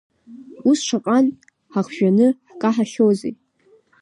Ус шаҟантә ҳахжәаны ҳкаҳахьоузеи!